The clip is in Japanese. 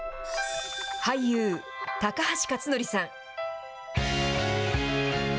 俳優、高橋克典さん。